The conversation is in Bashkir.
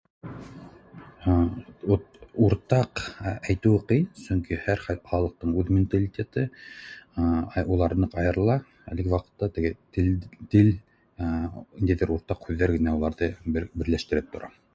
Ээ вот уртаҡ әйтеүе ҡыйын, сөнки һәр халыҡтың үҙ менталитеты, улар ныҡ айырыла, әлеге ваҡытта теге тел, ниндәйҙер уртаҡ һүҙҙәр генә уларҙы берләштереп тора